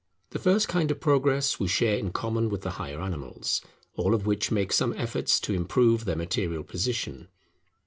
The first kind of Progress we share in common with the higher animals; all of which make some efforts to improve their material position.